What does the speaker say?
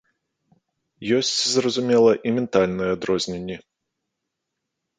Ёсць, зразумела, і ментальныя адрозненні.